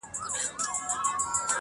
چا راوستي وي وزګړي او چا مږونه,